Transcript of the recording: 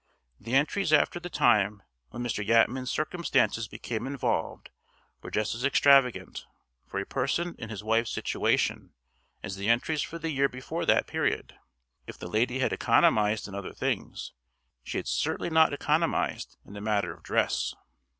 The entries after the time when Mr. Yatman's circumstances became involved were just as extravagant, for a person in his wife's situation, as the entries for the year before that period. If the lady had economized in other things, she had certainly not economized in the matter of dress.